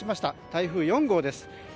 台風４号です。